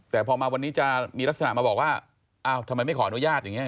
แต่พอมาวันนี้จะมีลักษณะมาบอกว่าอ้าวทำไมไม่ขออนุญาตอย่างนี้